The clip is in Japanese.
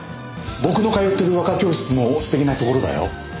僕の通ってる和歌教室もすてきなところだよ。